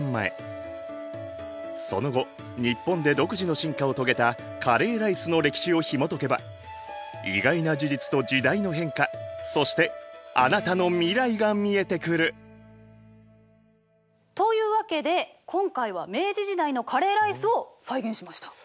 その後日本で独自の進化を遂げたカレーライスの歴史をひもとけば意外な事実と時代の変化そしてあなたの未来が見えてくる！というわけで今回は明治時代のカレーライスを再現しました！